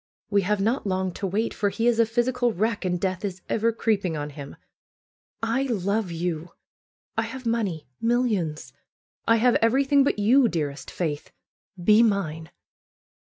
We have not long to wait, for he is a physical wreck, and death is ever creeping on him. I love you ! I have money — millions! I have everything but you, dearest Faith. Be mine!"